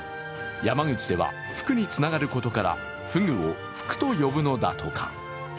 山口では福につながることから「ふぐ」を「ふく」と呼ぶのだとか。